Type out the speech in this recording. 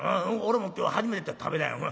俺も今日初めて食べたんや。